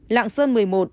lạng sơn một mươi một